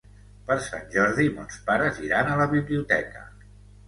Per Sant Jordi mons pares iran a la biblioteca.